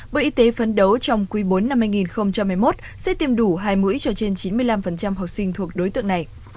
bộ y tế phấn đấu trong quý bốn năm hai nghìn hai mươi một sẽ tiêm đủ hai mũi cho trên chín mươi năm học sinh thuộc đối tượng này